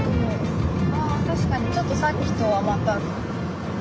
あ確かにちょっとさっきとはまた。